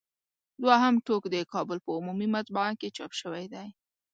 دوهم ټوک د کابل په عمومي مطبعه کې چاپ شوی دی.